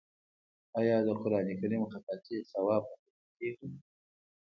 آیا د قران کریم خطاطي ثواب نه ګڼل کیږي؟